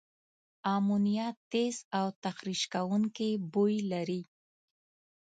امونیا تیز او تخریش کوونکي بوی لري.